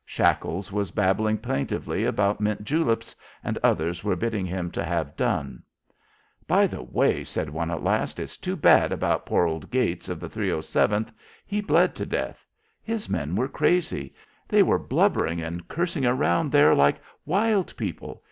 Shackles was babbling plaintively about mint juleps, and the others were bidding him to have done. "By the way," said one, at last, "it's too bad about poor old Gates of the 307th. He bled to death. His men were crazy. They were blubbering and cursing around there like wild people.